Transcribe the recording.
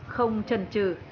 không chân trừ